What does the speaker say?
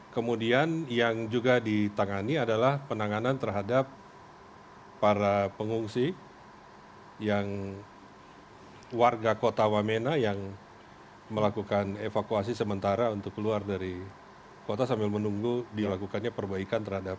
kemudian yang juga ditangani adalah penanganan terhadap para pengungsi yang warga kota wamena yang melakukan evakuasi sementara untuk keluar dari kota sambil menunggu dilakukannya perbaikan terhadap